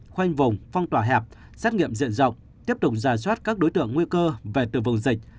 khoanh vùng phong tỏa hẹp xét nghiệm diện rộng tiếp tục giả soát các đối tượng nguy cơ về từ vùng dịch